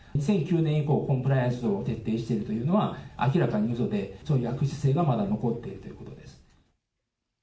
２００９年以降、コンプライアンスを徹底しているというのは明らかにうそで、そういう悪質性がまだ残っているということです。